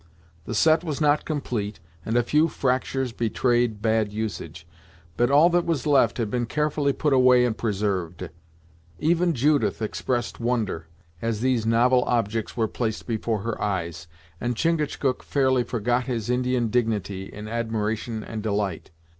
The set was not complete, and a few fractures betrayed bad usage; but all that was left had been carefully put away and preserved. Even Judith expressed wonder, as these novel objects were placed before her eyes, and Chingachgook fairly forgot his Indian dignity in admiration and delight.